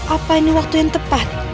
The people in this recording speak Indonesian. apa ini waktu yang tepat